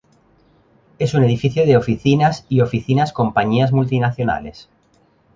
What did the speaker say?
Es un edificio de oficinas, y oficinas compañías multinacionales.